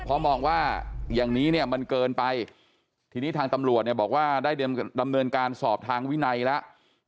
เพราะมองว่าอย่างนี้เนี่ยมันเกินไปทีนี้ทางตำรวจเนี่ยบอกว่าได้ดำเนินการสอบทางวินัยแล้ว